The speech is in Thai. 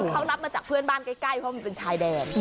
เขารับมาจากเพื่อนบ้านใกล้เพราะมันเป็นชายแดน